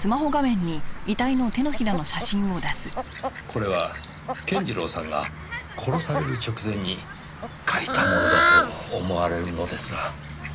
これは健次郎さんが殺される直前に書いたものだと思われるのですが。